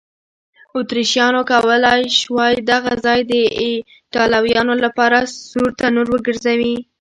اتریشیانو کولای شوای دغه ځای د ایټالویانو لپاره سور تنور وګرځوي.